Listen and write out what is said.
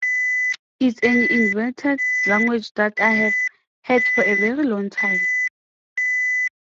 It's an invented language that I've had for a very long time.